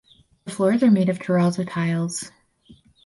The floors are made of terrazzo tiles.